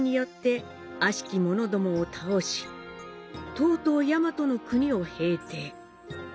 とうとう大和の国を平定。